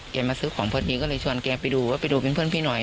เกียงมาซื้อของเพิ่มดีก็เลยชวนเกียงไปดูว่าไปดูเป็นเพื่อนพี่หน่อย